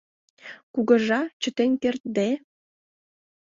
Кугыжа, чытен кертде